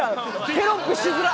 テロップしづら！